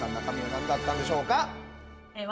中身は何だったんでしょうか？